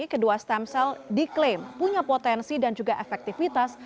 kedua stem cell diklaim punya potensi dan juga efektivitas